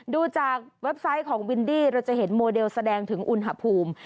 ดูจากเว็บไซต์ของวินดี้เราจะเห็นโมเดลแสดงถึงอุณหภูมิ